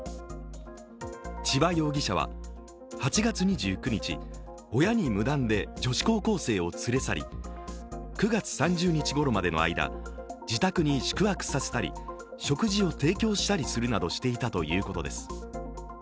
千葉容疑者は８月２９日、親に無断で女子高校生を連れ去り９月３０日ごろまでの間、自宅に宿泊させたり食事を提供したりするなどしていたということです。